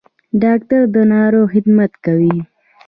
ډاکټر د ناروغ خدمت کوي